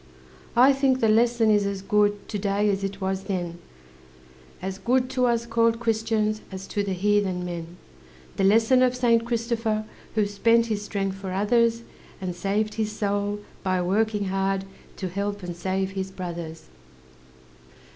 I think the lesson is as good To day as it was then As good to us called Christians As to the heathen men The lesson of Saint Christopher, Who spent his strength for others, And saved his soul by working hard To help and save his brothers!